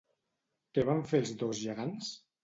Què van fer els dos gegants?